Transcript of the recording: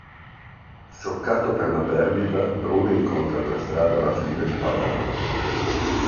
Scioccato per la perdita, Bruno incontra per strada la figlia di Paloma.